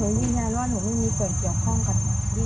ยืนยันว่าหนูไม่มีส่วนเกี่ยวข้องกับ